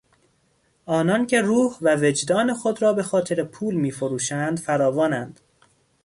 آنان که روح و وجدان خود را به خاطر پول میفروشند، فراوانند.